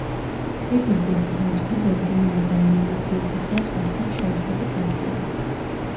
სიგრძის ზღვის უბე მდინარე დალიანის ხმელთაშუა ზღვასთან შეერთების ადგილას.